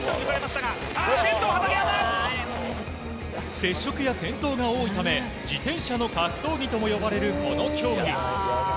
接触や転倒が多いため自転車の格闘技とも呼ばれるこの競技。